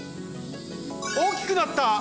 おおきくなった！